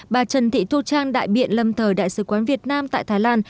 bà trần thị thu trang đại biện lâm thời đại sứ quán việt nam tại thái lan